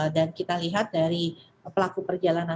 dan kita lihat dari pelaku perjalanan